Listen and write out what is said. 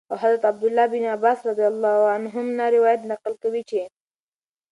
او حضرت عبدالله بن عباس رضي الله تعالى عنهم نه روايت نقل كوي چې :